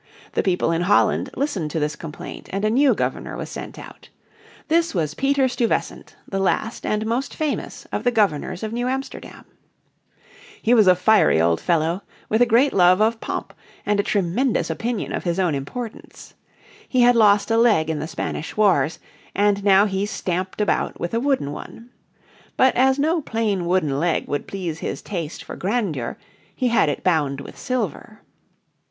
The people in Holland listened to this complaint and a new Governor was sent out. This was Peter Stuyvesant, the last and most famous of the Governors of New Amsterdam. Peter Stuyvesant, Governor from 1647 1664; He was a fiery old fellow, with a great love of pomp, and a tremendous opinion of his own importance. He had lost a leg in the Spanish Wars, and now he stamped about with a wooden one. But as no plain wooden leg would please his taste for grandeur he had it bound with silver.